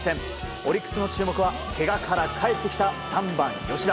オリックスの注目はけがから帰ってきた３番、吉田。